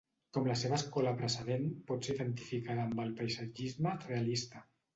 Com la seva escola precedent, pot ser identificada amb el paisatgisme realista.